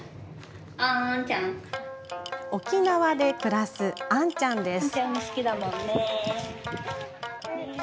沖縄で暮らす、杏ちゃんです。